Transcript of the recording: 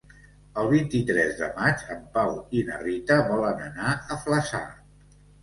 El vint-i-tres de maig en Pau i na Rita volen anar a Flaçà.